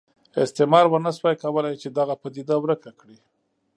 استعمار ونه شوای کولای چې دغه پدیده ورکه کړي.